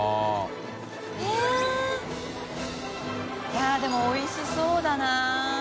矢田）でもおいしそうだな。